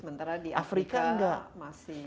sementara di afrika masih belum divaksin